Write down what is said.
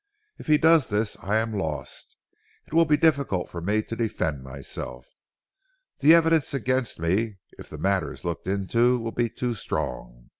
If he does this I am lost. It will be difficult for me to defend myself. The evidence against me, if the matter is looked into, will be too strong.